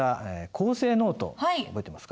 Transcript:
構成ノート覚えてます。